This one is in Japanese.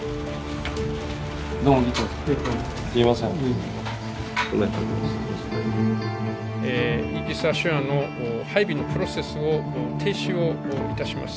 イージス・アショアの配備のプロセスを停止をいたします。